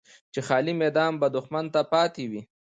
چې خالي میدان به دښمن ته پاتې وي.